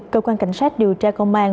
cơ quan cảnh sát điều tra công an